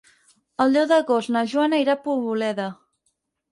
El deu d'agost na Joana irà a Poboleda.